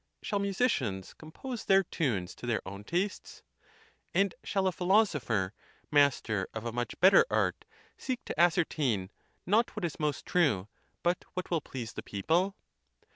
Shall musicians compose their tunes to their own tastes? and shall a philosopher, master of a much better art, seek to ascertain, not what is most true, but what will please the people?